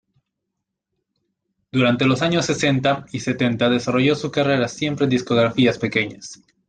Durante los años sesenta y setenta desarrolló su carrera siempre en discográficas pequeñas.